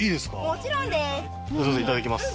もちろんです！